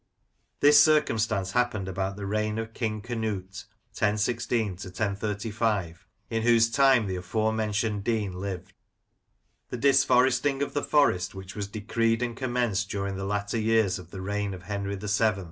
This circumstance happened about the reign of King Canute (1016 1035), in whose time the aforementioned Dean lived. The disforesting of the Forest, which was decreed and commenced during the latter years of the reign of Henry VII.